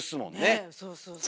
そうそうそうそう。